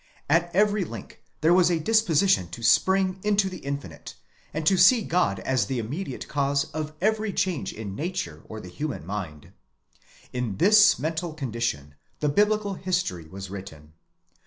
At every link there was a disposition to spring into the Infinite, and to see God as the immediate cause of every change in nature or the human mind. In this mental condition the biblical history was written.